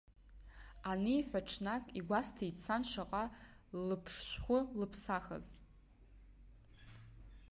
Аниҳәа ҽнак, игәасҭеит, сан шаҟа лыԥшшәхәы лыԥсахыз.